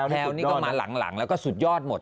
นี่ก็มาหลังแล้วก็สุดยอดหมด